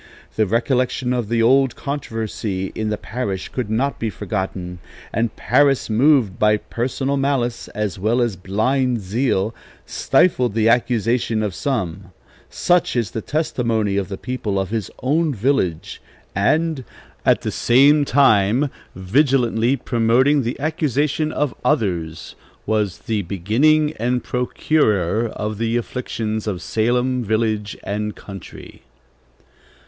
The recollection of the old controversy in the parish could not be forgotten; and Parris, moved by personal malice as well as blind zeal, 'stifled the accusation of some,' such is the testimony of the people of his own village, and, at the same time, 'vigilantly promoting the accusation of others,' was 'the beginning and procurer of the afflictions of Salem village and country.'